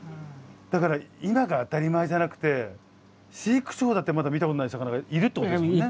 だから今が当たり前じゃなくて飼育長だってまだ見たことない魚がいるってことですもんね。